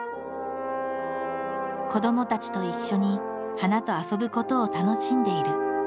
子どもたちと一緒に花と遊ぶことを楽しんでいる。